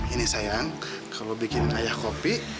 ini sayang kalau bikin ayah kopi